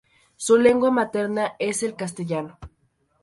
Su lengua materna es el castellano.